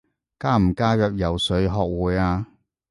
加唔加入游水學會啊？